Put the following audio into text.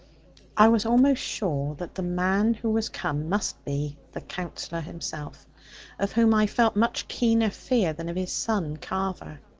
I was almost sure that the man who was come must be the Counsellor himself; of whom I felt much keener fear than of his son Carver.